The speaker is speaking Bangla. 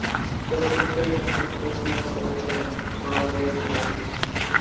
চলচ্চিত্রের সঙ্গীত পরিচালনা করেছেন রবীন ঘোষ।